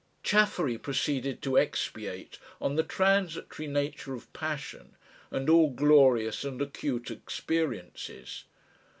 Chaffery proceeded to expatiate on the transitory nature of passion and all glorious and acute experiences.